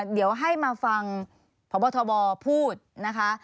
เดี๋ยวให้มาฟังพบทบพูดนะคะ